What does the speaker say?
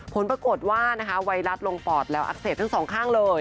ผลปรากฏว่านะคะไวรัสลงปอดแล้วอักเสบทั้งสองข้างเลย